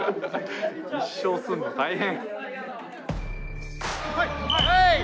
１勝すんの大変！